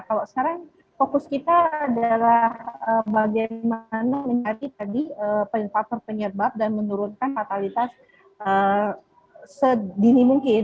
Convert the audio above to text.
kalau sekarang fokus kita adalah bagaimana mencari tadi faktor penyebab dan menurunkan fatalitas sedini mungkin